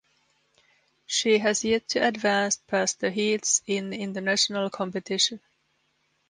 She has yet to advance past the heats in international competition.